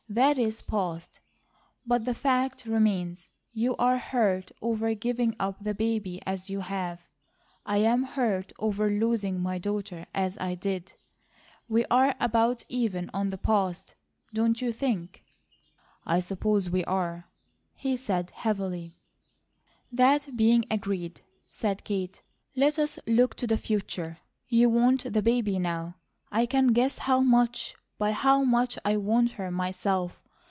That is past, but the fact remains. You are hurt over giving up the baby as you have; I'm hurt over losing my daughter as I did; we are about even on the past, don't you think?" "I suppose we are," he said, heavily. "That being agreed," said Kate, "let us look to the future. You want the baby now, I can guess how much, by how much I want her, myself.